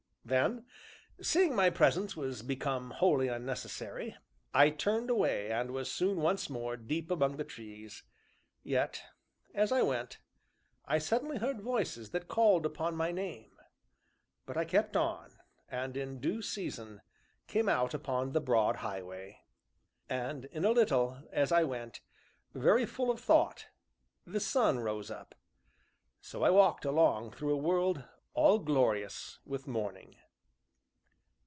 Then, seeing my presence was become wholly unnecessary, I turned away, and was soon once more deep among the trees. Yet, as I went, I suddenly heard voices that called upon my name, but I kept on, and, in due season, came out upon the broad highway. And, in a little, as I went, very full of thought, the sun rose up. So I walked along through a world all glorious with morning.